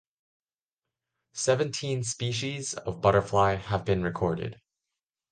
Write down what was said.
Seventeen species of butterfly have been recorded.